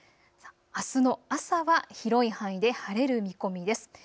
あすの朝は広い範囲で晴れる見込みです。